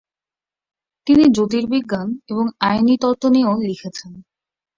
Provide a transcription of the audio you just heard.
তিনি জ্যোতির্বিজ্ঞান এবং আইনী তত্ত্ব নিয়েও লিখেছেন।